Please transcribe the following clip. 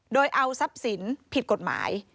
โดยเอาทรัพย์สินผิดกฎหมาย